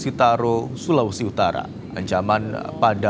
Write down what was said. menabung pel yer certain antara penduduk dan anak memberi keadiaan